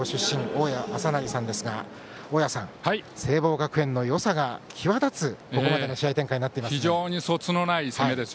大矢正成さんですが大矢さん、聖望学園のよさが際立つここまでの試合展開になってます。